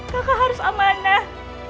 kakak harus amanah